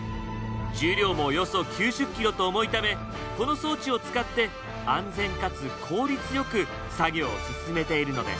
重量もおよそ９０キロと重いためこの装置を使って安全かつ効率良く作業を進めているのです。